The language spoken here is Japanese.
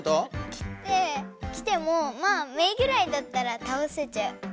きってきてもまあメイぐらいだったらたおせちゃう。